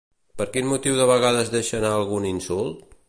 Per quin motiu de vegades deixa anar algun insult?